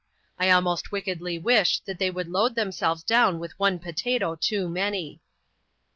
I almost wickedly wished that they would load themselves down with one potato too many.